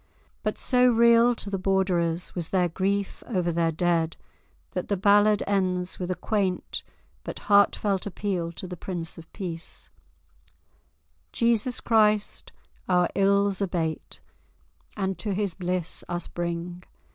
But so real to the Borderers was their grief over their dead that the ballad ends with a quaint but heartfelt appeal to the Prince of Peace:— "Jesus Christ our ills abate, And to His bliss us bring!